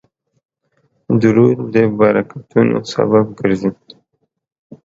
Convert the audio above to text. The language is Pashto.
درود د برکتونو سبب ګرځي